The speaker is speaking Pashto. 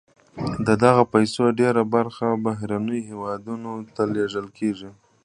د دغه پیسو ډیره برخه بهرنیو هېوادونو ته لیږدول کیږي.